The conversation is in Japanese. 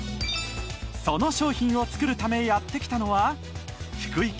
その商品を作るためやって来たのはウェイ！